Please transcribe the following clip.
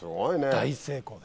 大成功で。